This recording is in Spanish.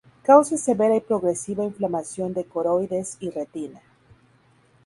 Causa severa y progresiva inflamación de coroides y retina.